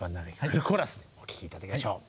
フルコーラスでお聴きいただきましょう。